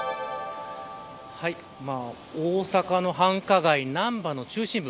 大阪の繁華街、難波の中心部